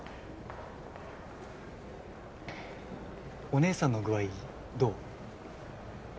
お姉さんの具合どう？